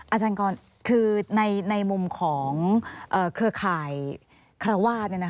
อาจารย์กรคือในมุมของเครือข่ายคารวาส